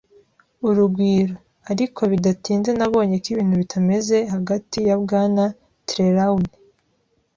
urugwiro, ariko bidatinze nabonye ko ibintu bitameze hagati ya Bwana Trelawney